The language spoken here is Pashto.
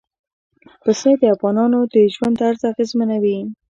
پسه د افغانانو د ژوند طرز اغېزمنوي.